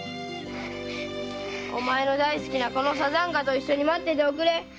〔お前の大好きなこの山茶花と一緒に待っていておくれ〕